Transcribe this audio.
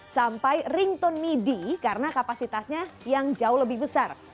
sampai rington midi karena kapasitasnya yang jauh lebih besar